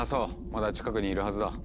まだ近くにいるはずだ。